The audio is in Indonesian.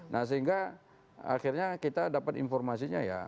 nah sehingga akhirnya kita dapat informasinya ya